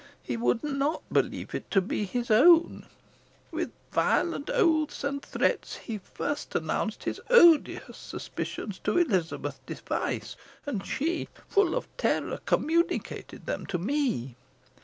He would not believe it to be his own. With violent oaths and threats he first announced his odious suspicions to Elizabeth Device, and she, full of terror, communicated them to me.